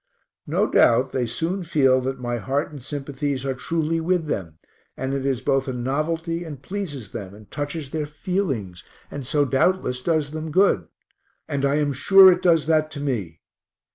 No doubt they soon feel that my heart and sympathies are truly with them, and it is both a novelty and pleases them and touches their feelings, and so doubtless does them good and I am sure it does that to me.